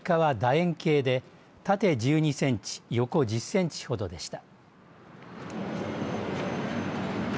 円形で縦１２センチ、横１０センチほどでした。